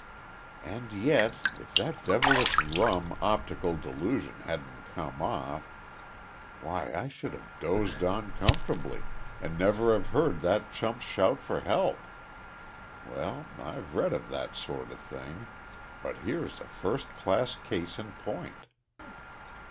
"And yet if that devilish rum optical delusion hadn't come off why I should have dozed on comfortably, and never have heard that chump's shout for help. Well I've read of that sort of thing, but here's a first class case in point."